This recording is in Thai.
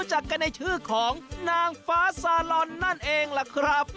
จากกันในชื่อของนางฟ้าซาลอนนั่นเองล่ะครับ